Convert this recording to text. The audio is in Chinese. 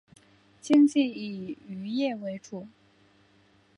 经济以渔业为主。